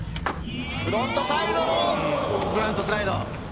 フロントサイドのフロントスライド。